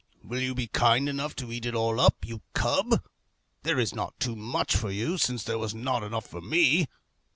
"Will you be kind enough to eat it all up, you cub? There is not too much for you, since there was not enough for me."